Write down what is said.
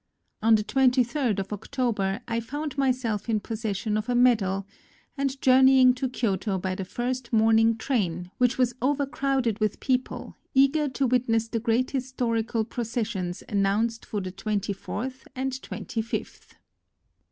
On the 23d of October I found myself in posses sion of a medal, and journeying to Kyoto by the first morning train, which was over crowded with people eager to witness the great historical processions announced for the 44 NOTES OF A TRIP TO KYOTO 24tli and 25th.